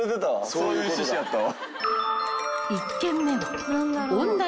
そういう趣旨やったわ。